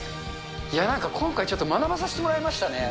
今回ちょっとまなばさせてもらいましたね。